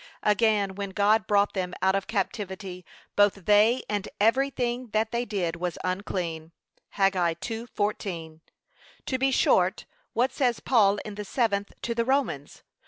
Again, when God brought them out of captivity, both they, and every thing that they did, was unclean. (Hag. 2:14) To be short, what says Paul in the seventh to the Romans?